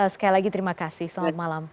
sekali lagi terima kasih selamat malam